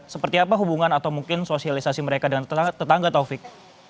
seperti apa hubungan atau mungkin sosialisasi mereka dengan tetangga taufik